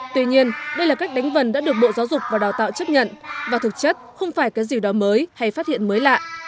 tuy nhiên đây là cách đánh vần đã được bộ giáo dục và đào tạo chấp nhận và thực chất không phải cái gì đó mới hay phát hiện mới lạ